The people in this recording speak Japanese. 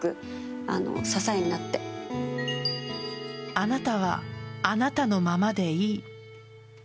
あなたはあなたのままでいい。